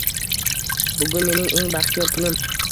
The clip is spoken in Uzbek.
Bugun mening eng baxtiyor kunim.